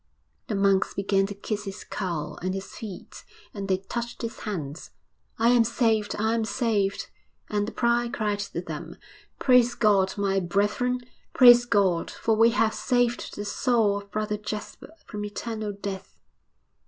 The monks began to kiss his cowl and his feet, and they touched his hands. 'I am saved! I am saved!' And the prior cried to them, 'Praise God, my brethren, praise God! for we have saved the soul of Brother Jasper from eternal death.'